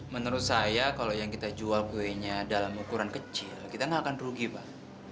menurut saya kalau yang kita jual kuenya dalam ukuran kecil kita nggak akan rugi pak